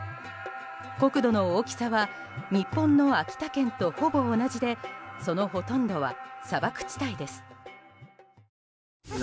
国土の大きさは日本の秋田県とほぼ同じでそのほとんどは、砂漠地帯です。